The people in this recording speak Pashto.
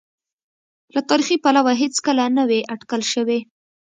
له تاریخي پلوه هېڅکله نه وې اټکل شوې.